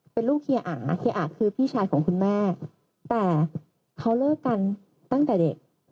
เป็นลูกเฮียอ่าเฮียอะคือพี่ชายของคุณแม่แต่เขาเลิกกันตั้งแต่เด็ก